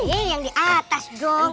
ini yang di atas dok